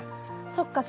そっか。